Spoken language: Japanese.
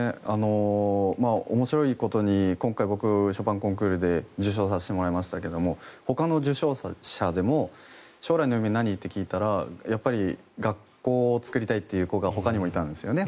面白いことに今回僕、ショパンコンクールで受賞させてもらいましたけどほかの受賞者でも将来の夢何？って聞いたら学校を作りたいって子がほかにもいたんですよね